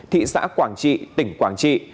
thị xã quảng trị tỉnh quảng trị